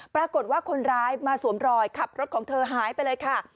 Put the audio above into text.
ปรากฏว่าคนร้ายมาสวมรอยขับรถของเธอหายไปเลยค่ะ